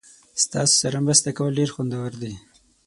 ستاسو سره مرسته کول ډیر خوندور دي.